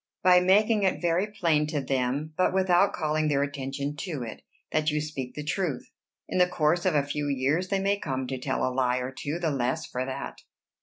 "By making it very plain to them, but without calling their attention to it, that you speak the truth. In the course of a few years they may come to tell a lie or two the less for that."